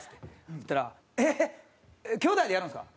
そしたら「えっ兄弟でやるんですか？